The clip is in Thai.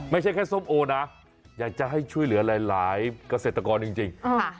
ไม่ใช่แค่ส้มโอนะอยากจะให้ช่วยเหลือหลายเกษตรกรจริง